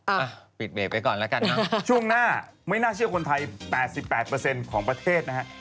เอ้าปิดเบบไว้ก่อนแล้วกันเนอะช่วงหน้าไม่น่าเชื่อคนไทยแปดสิบแปดเปอร์เซ็นต์ของประเทศนะฮะ